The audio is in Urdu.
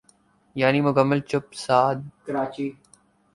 یعنی مکمل چپ سادھ لی۔